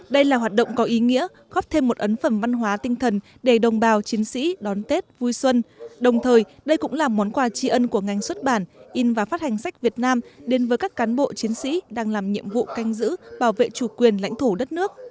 đây là hoạt động có ý nghĩa góp thêm một ấn phẩm văn hóa tinh thần để đồng bào chiến sĩ đón tết vui xuân đồng thời đây cũng là món quà tri ân của ngành xuất bản in và phát hành sách việt nam đến với các cán bộ chiến sĩ đang làm nhiệm vụ canh giữ bảo vệ chủ quyền lãnh thổ đất nước